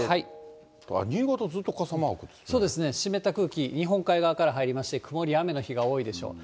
新潟、そうですね、湿った空気、日本海側から入りまして、曇りや雨の日が多いでしょう。